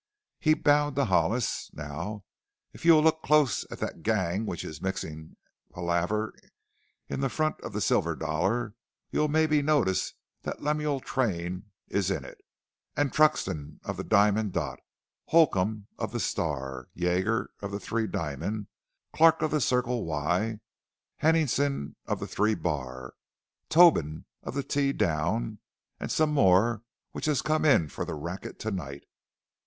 He bowed to Hollis. "Now, if you'll look close at that gang which is mixing palaver in front of the Silver Dollar you'll mebbe notice that Lemuel Train is in it, an' Truxton, of the Diamond Dot, Holcomb, of the Star, Yeager, of the Three Diamond, Clark, of the Circle Y, Henningson, of the Three Bar, Toban, of the T Down, an' some more which has come in for the racket tonight.